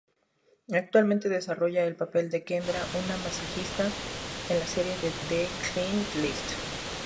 Actualmente desarrolla el papel de Kendra, una masajista, en la serie The Client List.